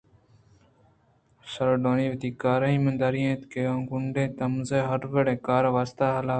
سارڈونی وتی کارءَ ایماندار اِنت آ گوٛنڈ تامزن ہروڑیں کار ءِ واستہ دلاپ اِنت